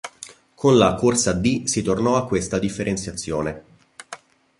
Con la "Corsa D" si tornò a questa differenziazione.